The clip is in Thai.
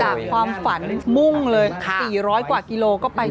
ความฝันมุ่งเลย๔๐๐กว่ากิโลก็ไป